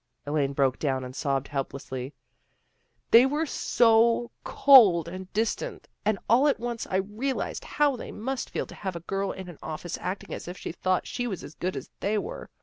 Elaine broke down and sobbed helplessly. " They were so cold and distant, and all at once I realized how they must feel to have a girl in an office acting as if she thought she was as good as they were.